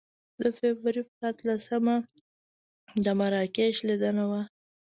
د فبروري په اتلسمه د مراکش لیدنه وه.